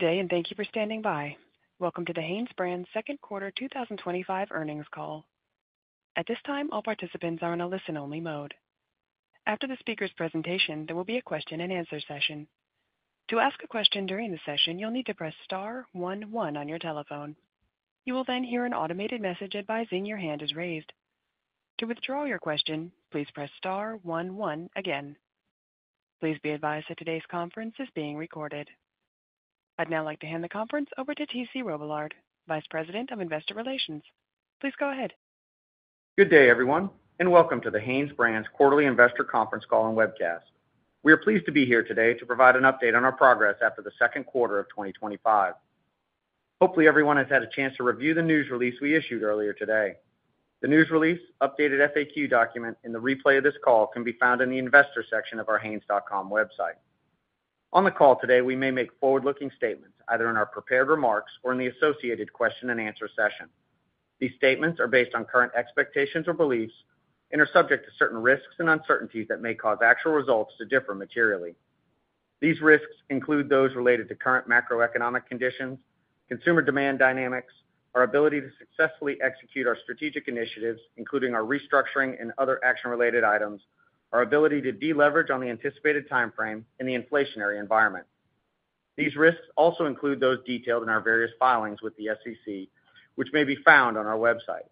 Good day and thank you for standing by. Welcome to the HanesBrands Second Quarter 2025 Earnings Call. At this time, all participants are in a listen-only mode. After the speaker's presentation, there will be a question-and-answer session. To ask a question during the session, you'll need to press Star, one one on your telephone. You will then hear an automated message advising your hand is raised. To withdraw your question, please press Star, one one again. Please be advised that today's conference is being recorded. I'd now like to hand the conference over to T.C. Robillard, Vice President of Investor Relations. Please go ahead. Good day, everyone, and welcome to the HanesBrands quarterly investor conference call and webcast. We are pleased to be here today to provide an update on our progress after the second quarter of 2025. Hopefully, everyone has had a chance to review the news release we issued earlier today. The news release, updated FAQ document, and the replay of this call can be found in the investor section of our hanes.com website. On the call today, we may make forward-looking statements, either in our prepared remarks or in the associated question-and-answer session. These statements are based on current expectations or beliefs and are subject to certain risks and uncertainties that may cause actual results to differ materially. These risks include those related to current macroeconomic conditions, consumer demand dynamics, our ability to successfully execute our strategic initiatives, including our restructuring and other action-related items, our ability to deleverage on the anticipated timeframe, and the inflationary environment. These risks also include those detailed in our various filings with the SEC, which may be found on our website.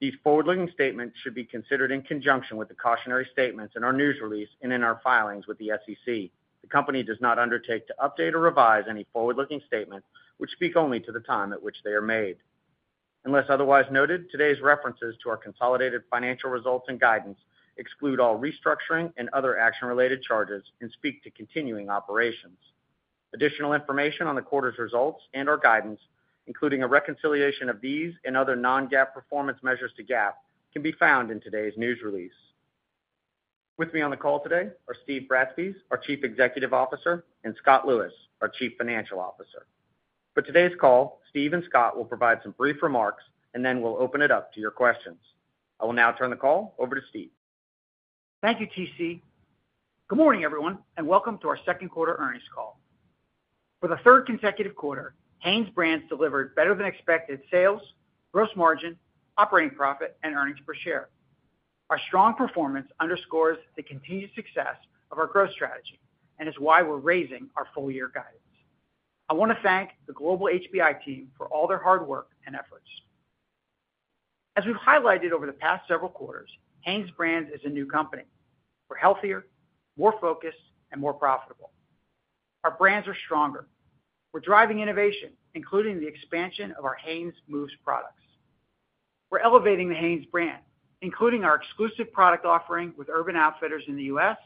These forward-looking statements should be considered in conjunction with the cautionary statements in our news release and in our filings with the SEC. The company does not undertake to update or revise any forward-looking statements, which speak only to the time at which they are made. Unless otherwise noted, today's references to our consolidated financial results and guidance exclude all restructuring and other action-related charges and speak to continuing operations. Additional information on the quarter's results and our guidance, including a reconciliation of these and other non-GAAP performance measures to GAAP, can be found in today's news release. With me on the call today are Steve Bratspies, our Chief Executive Officer, and Scott Lewis, our Chief Financial Officer. For today's call, Steve and Scott will provide some brief remarks, and then we'll open it up to your questions. I will now turn the call over to Steve. Thank you, T.C. Good morning, everyone, and welcome to our second quarter earnings call. For the third consecutive quarter, HanesBrands delivered better-than-expected sales, gross margin, operating profit, and earnings per share. Our strong performance underscores the continued success of our growth strategy and is why we're raising our full-year guidance. I want to thank the global HBI team for all their hard work and efforts. As we've highlighted over the past several quarters, HanesBrands is a new company. We're healthier, more focused, and more profitable. Our brands are stronger. We're driving innovation, including the expansion of our Hanes Moves products. We're elevating the Hanes brand, including our exclusive product offering with Urban Outfitters in the U.S.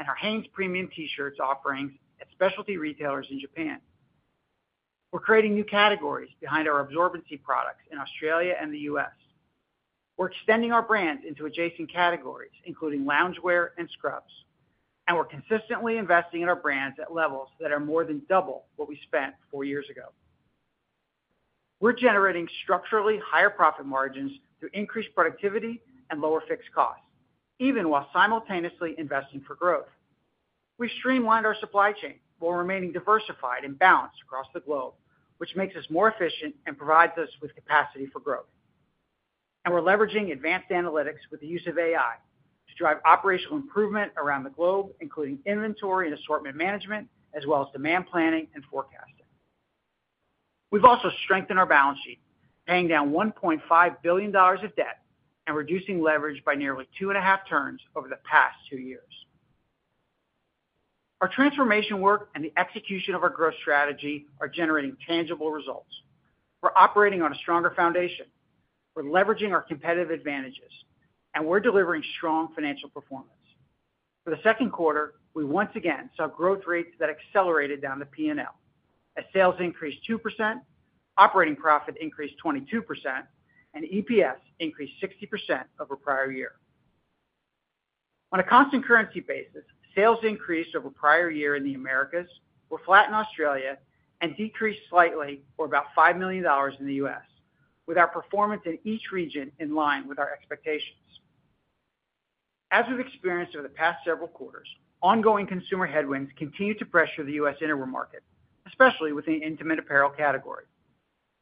and our Hanes Premium T-Shirts offerings at specialty retailers in Japan. We're creating new categories behind our absorbency products in Australia and the U.S. We're extending our brands into adjacent categories, including loungewear and scrubs, and we're consistently investing in our brands at levels that are more than double what we spent four years ago. We're generating structurally higher profit margins through increased productivity and lower fixed costs, even while simultaneously investing for growth. We've streamlined our supply chain while remaining diversified and balanced across the globe, which makes us more efficient and provides us with capacity for growth. We're leveraging advanced analytics with the use of AI to drive operational improvement around the globe, including inventory and assortment management, as well as demand planning and forecasting. We've also strengthened our balance sheet, paying down $1.5 billion of debt and reducing leverage by nearly 2.5 turns over the past two years. Our transformation work and the execution of our growth strategy are generating tangible results. We're operating on a stronger foundation. We're leveraging our competitive advantages, and we're delivering strong financial performance. For the second quarter, we once again saw growth rates that accelerated down the P&L. As sales increased 2%, operating profit increased 22%, and EPS increased 60% over prior year. On a constant currency basis, sales increased over prior year in the Americas, were flat in Australia, and decreased slightly or about $5 million in the U.S., with our performance in each region in line with our expectations. As we've experienced over the past several quarters, ongoing consumer headwinds continue to pressure the U.S. interim market, especially within the intimate apparel category.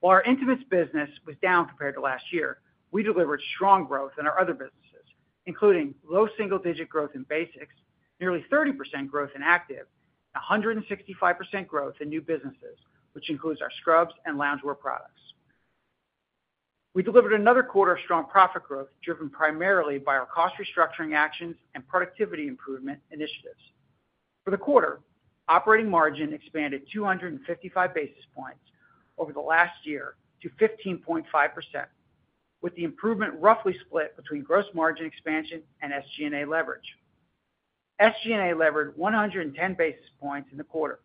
While our intimates business was down compared to last year, we delivered strong growth in our other businesses, including low single-digit growth in basics, nearly 30% growth in active, and 165% growth in new businesses, which includes our scrubs and loungewear products. We delivered another quarter of strong profit growth driven primarily by our cost restructuring actions and productivity improvement initiatives. For the quarter, operating margin expanded 255 basis points over last year to 15.5%, with the improvement roughly split between gross margin expansion and SG&A leverage. SG&A leveraged 110 basis points in the quarter,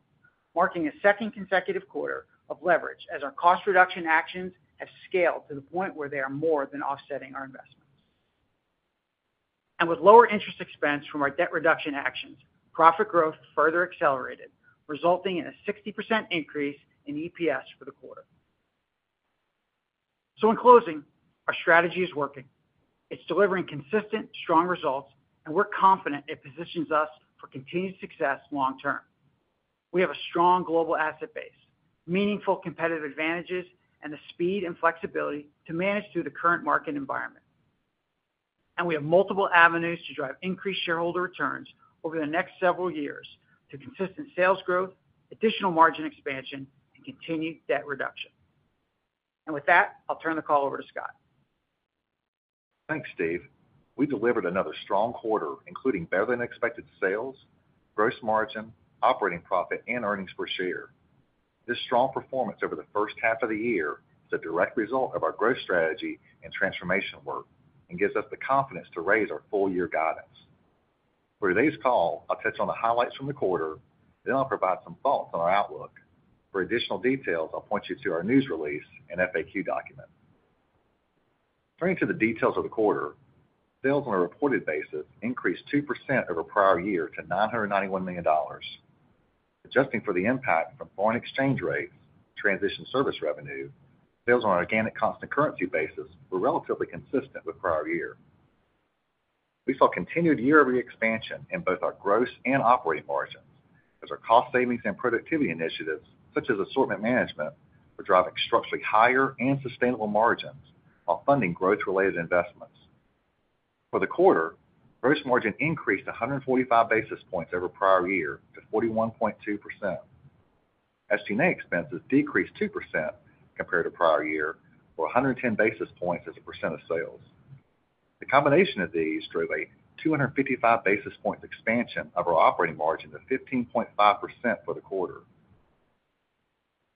marking a second consecutive quarter of leverage as our cost reduction actions have scaled to the point where they are more than offsetting our investments. With lower interest expense from our debt reduction actions, profit growth further accelerated, resulting in a 60% increase in EPS for the quarter. In closing, our strategy is working. It's delivering consistent, strong results, and we're confident it positions us for continued success long term. We have a strong global asset base, meaningful competitive advantages, and the speed and flexibility to manage through the current market environment. We have multiple avenues to drive increased shareholder returns over the next several years through consistent sales growth, additional margin expansion, and continued debt reduction. With that, I'll turn the call over to Scott. Thanks, Steve. We delivered another strong quarter, including better-than-expected sales, gross margin, operating profit, and earnings per share. This strong performance over the first half of the year is a direct result of our growth strategy and transformation work and gives us the confidence to raise our full-year guidance. For today's call, I'll touch on the highlights from the quarter, then I'll provide some thoughts on our outlook. For additional details, I'll point you to our news release and FAQ document. Turning to the details of the quarter, sales on a reported basis increased 2% over prior year to $991 million. Adjusting for the impact from foreign exchange rates to transition service revenue, sales on an organic constant currency basis were relatively consistent with prior year. We saw continued year-over-year expansion in both our gross and operating margins as our cost savings and productivity initiatives, such as assortment management, are driving structurally higher and sustainable margins while funding growth-related investments. For the quarter, gross margin increased 145 basis points over prior year to 41.2%. SG&A expenses decreased 2% compared to prior year or 110 basis points as a percent of sales. The combination of these drove a 255 basis points expansion of our operating margin to 15.5% for the quarter.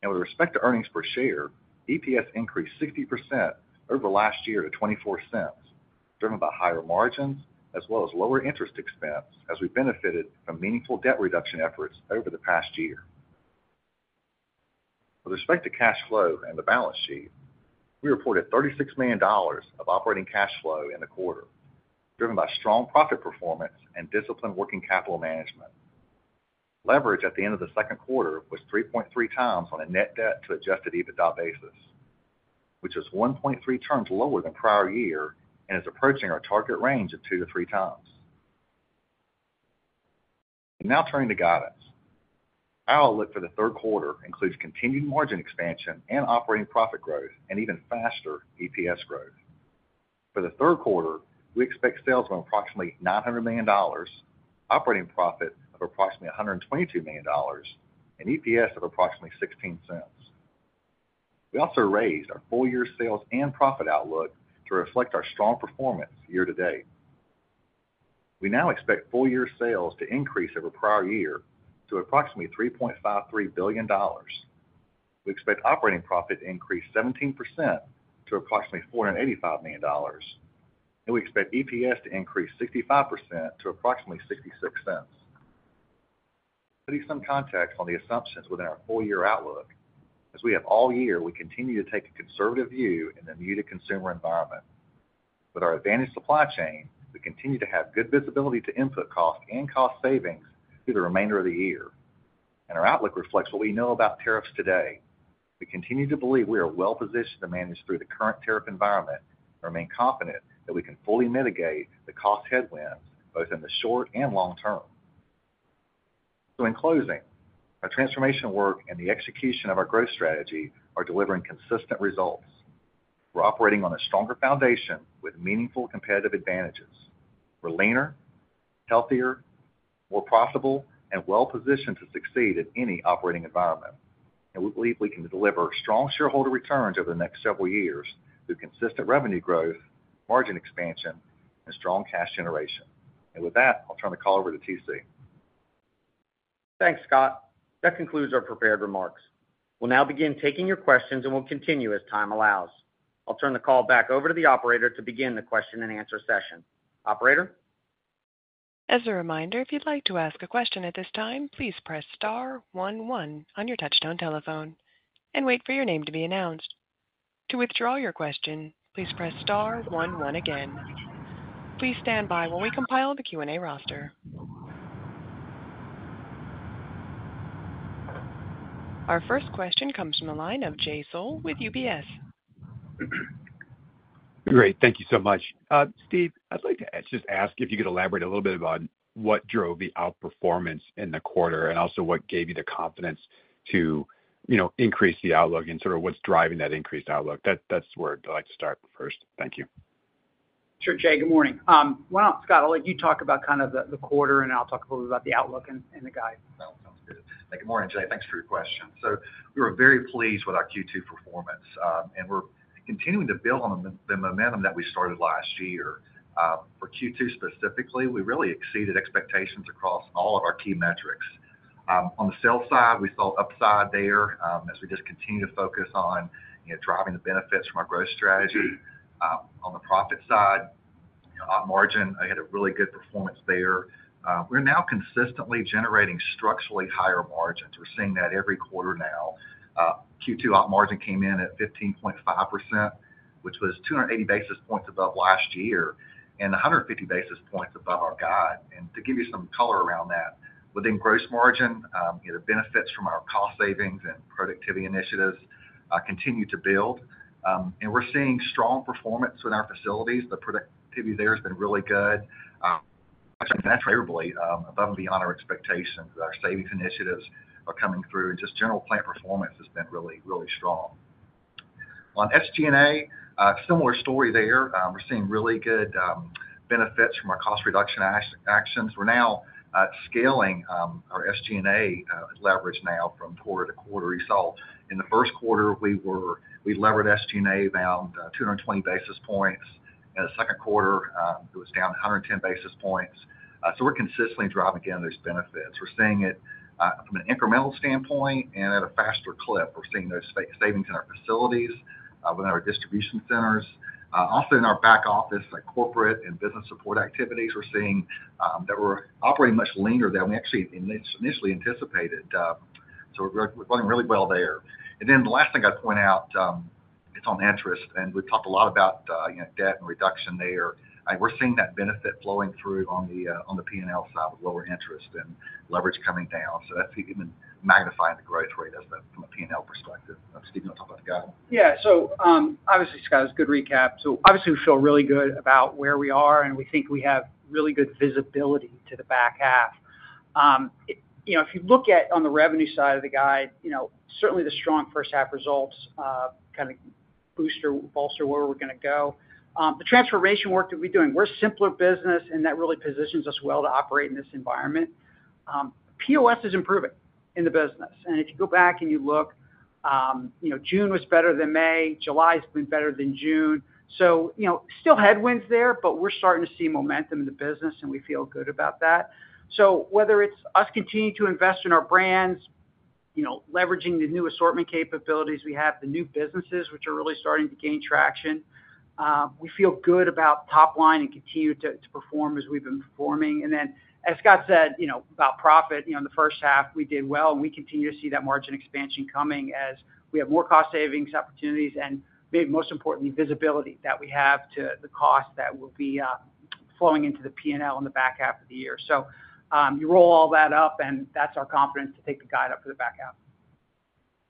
With respect to earnings per share, EPS increased 60% over the last year to $0.24, driven by higher margins as well as lower interest expense as we benefited from meaningful debt reduction efforts over the past year. With respect to cash flow and the balance sheet, we reported $36 million of operating cash flow in the quarter, driven by strong profit performance and disciplined working capital management. Leverage at the end of the second quarter was 3.3x on a net debt to adjusted EBITDA basis, which is 1.3 turns lower than prior year and is approaching our target range of 2x-3x. Now turning to guidance, our outlook for the third quarter includes continued margin expansion and operating profit growth and even faster EPS growth. For the third quarter, we expect sales of approximately $900 million, operating profit of approximately $122 million, and EPS of approximately $0.16. We also raised our full-year sales and profit outlook to reflect our strong performance year to date. We now expect full-year sales to increase over prior year to approximately $3.53 billion. We expect operating profit to increase 17% to approximately $485 million, and we expect EPS to increase 65% to approximately $0.66. Putting some context on the assumptions within our full-year outlook, as we have all year, we continue to take a conservative view in the muted consumer environment. With our advantage supply chain, we continue to have good visibility to input costs and cost savings through the remainder of the year. Our outlook reflects what we know about tariffs today. We continue to believe we are well-positioned to manage through the current tariff environment and remain confident that we can fully mitigate the cost headwinds both in the short and long term. In closing, our transformation work and the execution of our growth strategy are delivering consistent results. We're operating on a stronger foundation with meaningful competitive advantages. We're leaner, healthier, more profitable, and well-positioned to succeed in any operating environment. We believe we can deliver strong shareholder returns over the next several years through consistent revenue growth, margin expansion, and strong cash generation. With that, I'll turn the call over to T.C. Thanks, Scott. That concludes our prepared remarks. We'll now begin taking your questions, and we'll continue as time allows. I'll turn the call back over to the operator to begin the question-and-answer session. Operator? As a reminder, if you'd like to ask a question at this time, please press Star, one one on your touch-tone telephone and wait for your name to be announced. To withdraw your question, please press Star, one one again. Please stand by while we compile the Q&A roster. Our first question comes from a line of Jay Sole with UBS. Great. Thank you so much. Steve, I'd like to just ask if you could elaborate a little bit on what drove the outperformance in the quarter and also what gave you the confidence to increase the outlook and sort of what's driving that increased outlook. That's where I'd like to start first. Thank you. Sure, Jay. Good morning. Scott, I'll let you talk about kind of the quarter, and I'll talk a little bit about the outlook and the guidance. That was good. Good morning, Jay. Thanks for your question. We were very pleased with our Q2 performance, and we're continuing to build on the momentum that we started last year. For Q2 specifically, we really exceeded expectations across all of our key metrics. On the sales side, we saw upside there, as we just continue to focus on, you know, driving the benefits from our growth strategy. On the profit side, you know, operating margin had a really good performance there. We're now consistently generating structurally higher margins. We're seeing that every quarter now. Q2 operating margin came in at 15.5%, which was 280 basis points above last year and 150 basis points above our guide. To give you some color around that, within gross margin, you know, the benefits from our cost savings and productivity initiatives continue to build. We're seeing strong performance in our facilities. The productivity there has been really good. I think that's favorably above and beyond our expectations that our savings initiatives are coming through, and just general plant performance has been really, really strong. On SG&A, a similar story there. We're seeing really good benefits from our cost reduction actions. We're now scaling our SG&A leverage now from quarter-to-quarter. You saw in the first quarter, we levered SG&A down 220 basis points. In the second quarter, it was down 110 basis points. We're consistently driving again those benefits. We're seeing it from an incremental standpoint and at a faster clip. We're seeing those savings in our facilities, within our distribution centers. Also, in our back office, our corporate and business support activities, we're seeing that we're operating much leaner than we actually initially anticipated. We're going really well there. The last thing I'd point out, it's on interest, and we've talked a lot about debt and reduction there. We're seeing that benefit flowing through on the P&L side with lower interest and leverage coming down. That's even magnifying the growth rate as a P&L perspective. Steve, you want to talk about the guidance? Yeah. So obviously, Scott, it's a good recap. We feel really good about where we are, and we think we have really good visibility to the back half. If you look at on the revenue side of the guide, certainly the strong first half results kind of boost or bolster where we're going to go. The transformation work that we're doing, we're a simpler business, and that really positions us well to operate in this environment. POS is improving in the business. If you go back and you look, June was better than May. July has been better than June. There are still headwinds there, but we're starting to see momentum in the business, and we feel good about that. Whether it's us continuing to invest in our brands, leveraging the new assortment capabilities we have, the new businesses which are really starting to gain traction, we feel good about top line and continue to perform as we've been performing. As Scott said, about profit, in the first half, we did well, and we continue to see that margin expansion coming as we have more cost savings opportunities and maybe most importantly, visibility that we have to the cost that will be flowing into the P&L in the back half of the year. You roll all that up, and that's our confidence to take the guide up for the back half.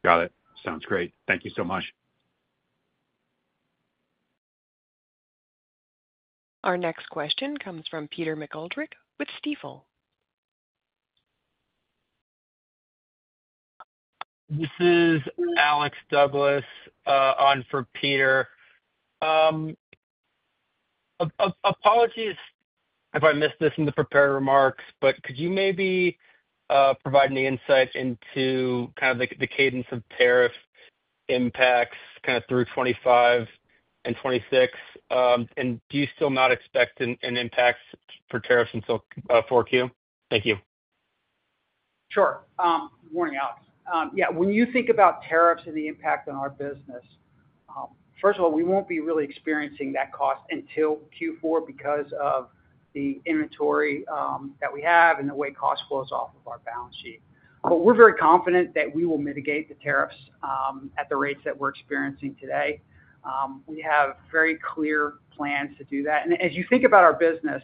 Got it. Sounds great. Thank you so much. Our next question comes from Peter McGoldrick with Stifel. This is Alex Douglas on for Peter. Apologies if I missed this in the prepared remarks, but could you maybe provide any insight into kind of the cadence of tariff impacts kind of through 2025 and 2026? Do you still not expect an impact for tariffs until 4Q? Thank you. Sure. Morning, Alex. Yeah. When you think about tariffs and the impact on our business, first of all, we won't be really experiencing that cost until Q4 because of the inventory that we have and the way cost flows off of our balance sheet. We're very confident that we will mitigate the tariffs at the rates that we're experiencing today. We have very clear plans to do that. As you think about our business,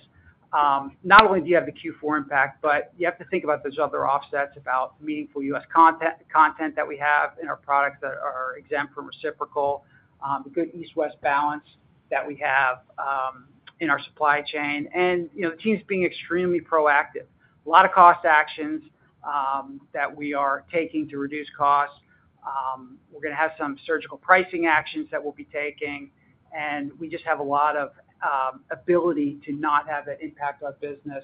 not only do you have the Q4 impact, but you have to think about those other offsets about meaningful U.S. content that we have in our products that are exempt from reciprocal, the good East-West balance that we have in our supply chain, and the team's being extremely proactive. A lot of cost actions that we are taking to reduce costs. We're going to have some surgical pricing actions that we'll be taking, and we just have a lot of ability to not have it impact our business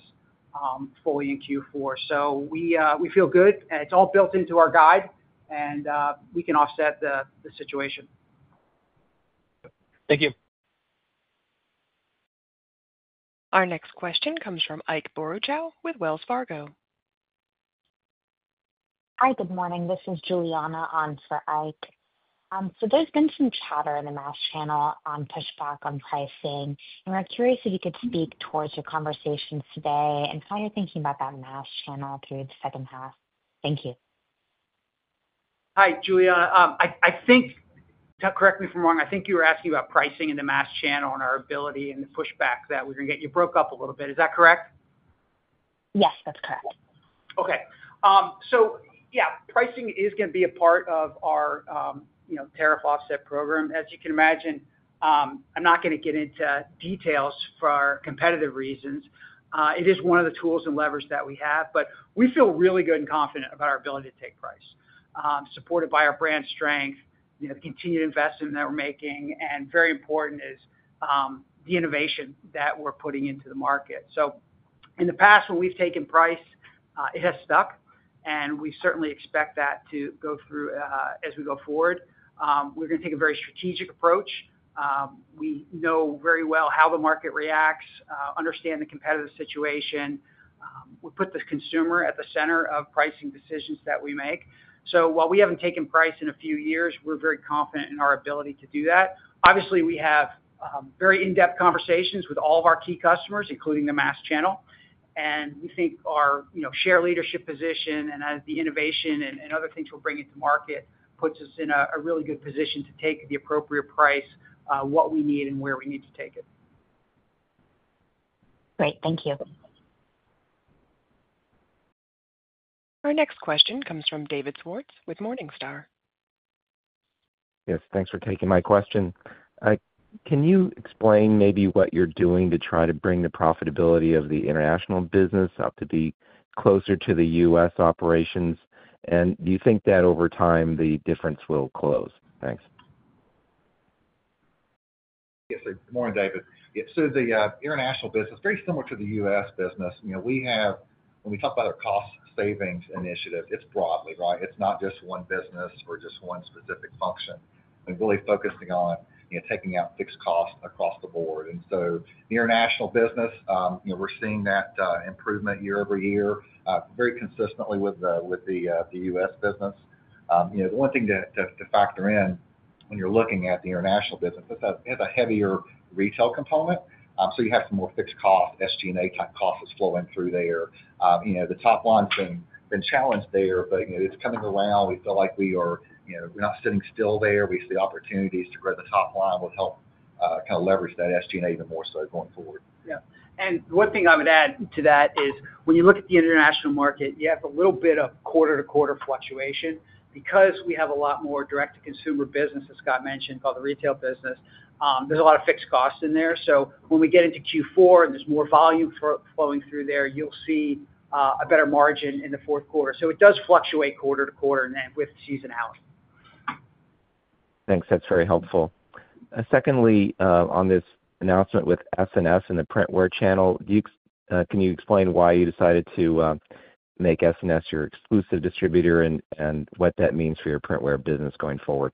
fully in Q4. We feel good, and it's all built into our guide, and we can offset the situation. Thank you. Our next question comes from Ike Borochow with Wells Fargo. Hi. Good morning. This is Juliana on for Ike. There's been some chatter in the mass channel on pushback on pricing, and we're curious if you could speak towards your conversations today and how you're thinking about that mass channel through the second half. Thank you. Hi, Juliana. I think, correct me if I'm wrong, I think you were asking about pricing in the mass channel and our ability and the pushback that we're going to get. You broke up a little bit. Is that correct? Yes, that's correct. Okay. Pricing is going to be a part of our tariff offset program. As you can imagine, I'm not going to get into details for our competitive reasons. It is one of the tools and levers that we have, but we feel really good and confident about our ability to take price, supported by our brand strength, the continued investment that we're making, and very important is the innovation that we're putting into the market. In the past, when we've taken price, it has stuck, and we certainly expect that to go through as we go forward. We're going to take a very strategic approach. We know very well how the market reacts, understand the competitive situation. We put the consumer at the center of pricing decisions that we make. While we haven't taken price in a few years, we're very confident in our ability to do that. Obviously, we have very in-depth conversations with all of our key customers, including the mass channel, and we think our share leadership position and the innovation and other things we're bringing to market puts us in a really good position to take the appropriate price, what we need, and where we need to take it. Great, thank you. Our next question comes from David Swartz with Morningstar. Yes. Thanks for taking my question. Can you explain maybe what you're doing to try to bring the profitability of the international business up to be closer to the U.S. operations, and do you think that over time the difference will close? Thanks. Yes, good morning, David. Yeah, the international business is very similar to the U.S. business. You know, when we talk about our cost savings initiative, it's broadly, right? It's not just one business or just one specific function. We're really focusing on taking out fixed costs across the board. The international business, we're seeing that improvement year-over-year, very consistently with the U.S. business. The one thing to factor in when you're looking at the international business, it has a heavier retail component. You have some more fixed cost SG&A type costs flowing through there. The top line's been challenged there, but it's coming around. We feel like we are not sitting still there. We see opportunities to grow the top line with help kind of leverage that SG&A even more so going forward. Yeah. One thing I would add to that is when you look at the international market, you have a little bit of quarter-to-quarter fluctuation because we have a lot more direct-to-consumer business, as Scott mentioned, called the retail business. There's a lot of fixed costs in there. When we get into Q4 and there's more volume flowing through there, you'll see a better margin in the fourth quarter. It does fluctuate quarter-to-quarter and then with seasonality. Thanks. That's very helpful. Secondly, on this announcement with S&S in the printwear channel, can you explain why you decided to make S&S your exclusive distributor and what that means for your printwear business going forward?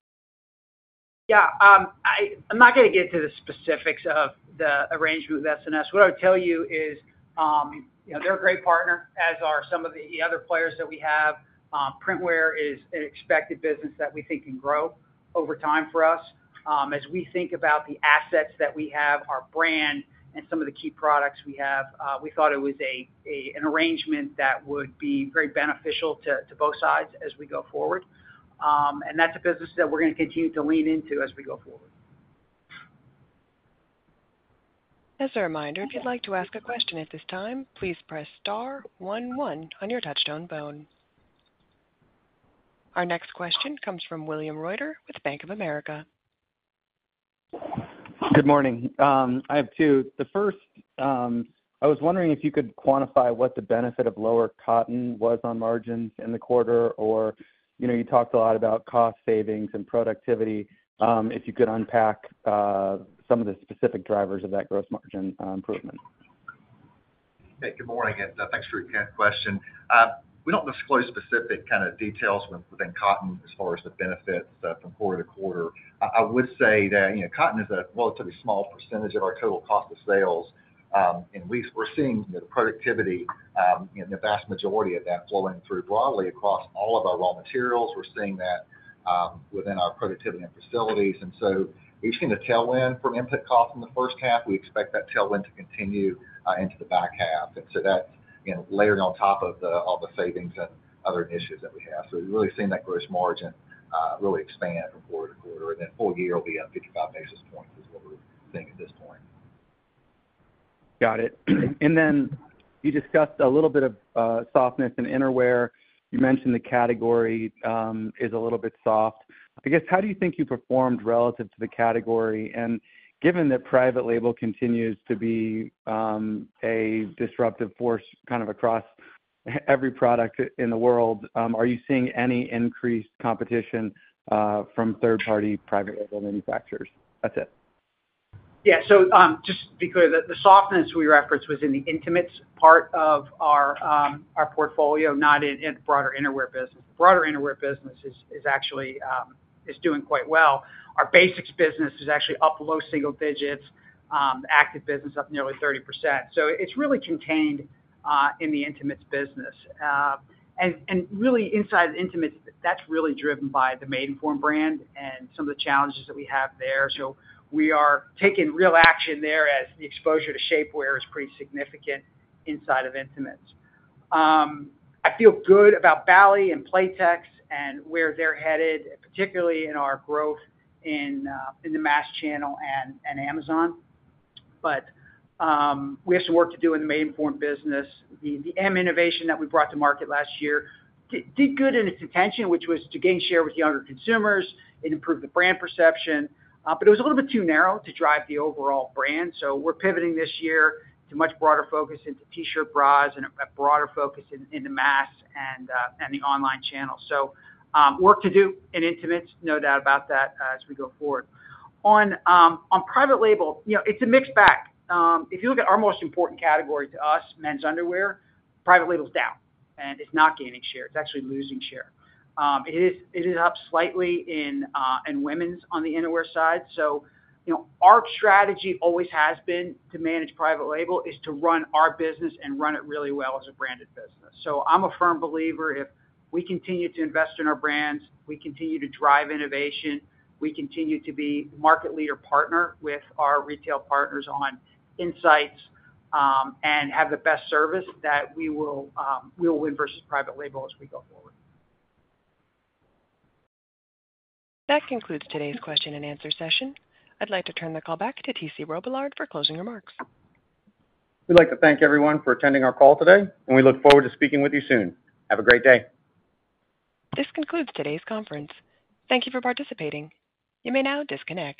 Yeah. I'm not going to get to the specifics of the arrangement with S&S. What I would tell you is, you know, they're a great partner, as are some of the other players that we have. Printwear is an expected business that we think can grow over time for us. As we think about the assets that we have, our brand, and some of the key products we have, we thought it was an arrangement that would be very beneficial to both sides as we go forward. That's a business that we're going to continue to lean into as we go forward. As a reminder, if you'd like to ask a question at this time, please press Star, one one on your touch-tone phone. Our next question comes from William Reuter with Bank of America. Good morning. I have two. The first, I was wondering if you could quantify what the benefit of lower cotton was on margins in the quarter, or you know, you talked a lot about cost savings and productivity. If you could unpack some of the specific drivers of that gross margin improvement. Okay. Good morning. Thanks for your kind question. We don't disclose specific kind of details within cotton as far as the benefit from quarter-to-quarter. I would say that, you know, cotton is a relatively small percentage of our total cost of sales, and we're seeing, you know, the productivity, you know, the vast majority of that flowing through broadly across all of our raw materials. We're seeing that within our productivity and facilities. You're seeing the tailwind from input costs in the first half. We expect that tailwind to continue into the back half. That's layering on top of all the savings and other initiatives that we have. We're really seeing that gross margin really expand from quarter-to-quarter, and that full year will be at 55 basis points is what we're seeing at this point. Got it. You discussed a little bit of softness in innerwear. You mentioned the category is a little bit soft. I guess, how do you think you performed relative to the category? Given that private label continues to be a disruptive force kind of across every product in the world, are you seeing any increased competition from third-party private label manufacturers? That's it. Yeah. Just to be clear, the softness we referenced was in the intimates part of our portfolio, not in the broader innerwear business. The broader innerwear business is actually doing quite well. Our basics business is actually up low single digits. The active business is up nearly 30%. It is really contained in the intimates business. Inside of intimates, that's really driven by the Maidenform brand and some of the challenges that we have there. We are taking real action there as the exposure to shapewear is pretty significant inside of intimates. I feel good about Bali and Playtex and where they're headed, particularly in our growth in the mass channel and Amazon. We have some work to do in the Maidenform business. The M innovation that we brought to market last year did good in its intention, which was to gain share with younger consumers and improve the brand perception. It was a little bit too narrow to drive the overall brand. We are pivoting this year to a much broader focus into T-shirt bras and a broader focus in the mass and the online channel. Work to do in intimates, no doubt about that, as we go forward. On private label, it's a mixed bag. If you look at our most important category to us, men's underwear, private label's down, and it's not gaining share. It's actually losing share. It is up slightly in women's on the innerwear side. Our strategy always has been to manage private label, to run our business and run it really well as a branded business. I'm a firm believer if we continue to invest in our brands, we continue to drive innovation, we continue to be a market leader partner with our retail partners on insights and have the best service, that we will win versus private label as we go forward. That concludes today's question-and-answer session. I'd like to turn the call back to T.C. Robillard for closing remarks. We'd like to thank everyone for attending our call today, and we look forward to speaking with you soon. Have a great day. This concludes today's conference. Thank you for participating. You may now disconnect.